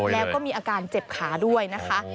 แล้วก็มีอาการเจ็บขาด้วยนะคะ